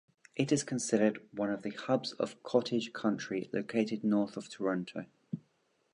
It is considered one of the hubs of cottage country located north of Toronto.